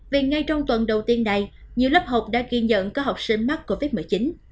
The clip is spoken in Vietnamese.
vì ngay trong tuần đầu tiên này nhiều lớp học đã ghi nhận có học sinh mắc covid một mươi chín